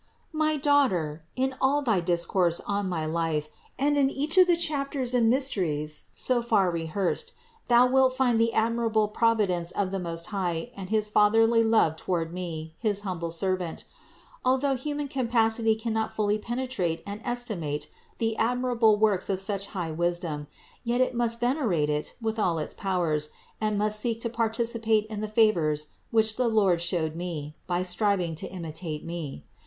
454. My daughter, in all thy discourse on my life, and in each of the chapters and mysteries so far rehearsed, thou wilt find the admirable providence of the Most High and his fatherly love toward me, his humble servant. Although human capacity cannot fully penetrate and estimate the admirable works of such high wisdom, yet it must venerate it with all its powers, and must seek to participate in the favors which the Lord showed me, by striving to imitate me.